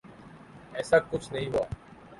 ایساکچھ نہیں ہوا۔